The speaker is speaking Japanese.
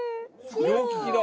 両利きだ。